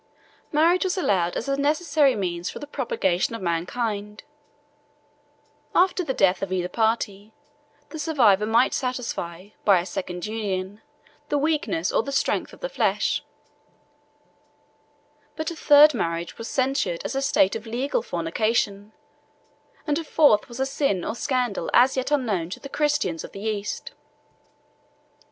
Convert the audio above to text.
Marriage was allowed as a necessary means for the propagation of mankind; after the death of either party, the survivor might satisfy, by a second union, the weakness or the strength of the flesh: but a third marriage was censured as a state of legal fornication; and a fourth was a sin or scandal as yet unknown to the Christians of the East.